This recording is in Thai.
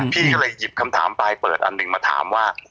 พี่ก็เลยหยิบคำถามปลายเปิดอันหนึ่งมาถามว่า